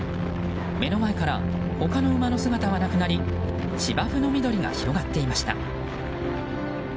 目の前から他の馬の姿はなくなり芝生の緑が広がっていました。